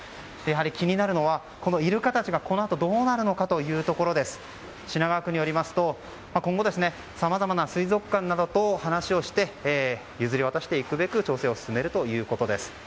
気になるのはイルカたちがこのあとどうなるのかですが品川区によりますと今後、さまざまな水族館などと話をして譲り渡していくべく調整を進めるということです。